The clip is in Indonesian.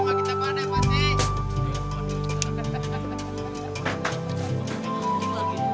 gak bisa padan gana